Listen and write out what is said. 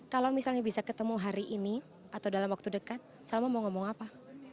kalau misalnya bisa ketemu hari ini atau dalam waktu dekat salma mau ngomong apa